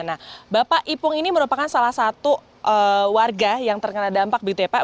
nah bapak ipung ini merupakan salah satu warga yang terkena dampak begitu ya pak